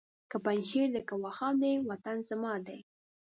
که پنجشېر دی که واخان دی وطن زما دی!